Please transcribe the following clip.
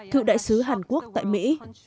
thự đại sứ hàn quốc tại mỹ